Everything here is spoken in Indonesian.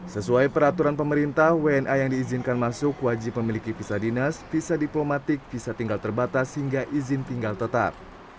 sesuai peraturan pemerintah wna yang diizinkan masuk wajib memiliki visa dinas visa diplomatik visa tinggal terbatas hingga izin tinggal tetap